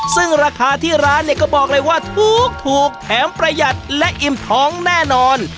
ซึ่งราคาที่ร้านเนี่ยก็บอกเลยว่าถูกแถมประหยัดและอิ่มท้องแน่นอน